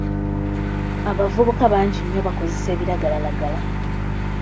Abavubuka bangi nnyo bakozesa ebiragalalagala.